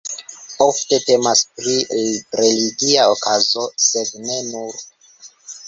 Ofte temas pri religia okazo, sed ne nur.